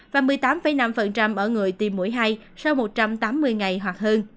và một mươi tám năm ở người tiêm mũi hai sau một trăm tám mươi ngày hoặc hơn